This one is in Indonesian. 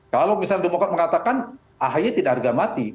kalau misalnya demokrat mengatakan ahy tidak harga mati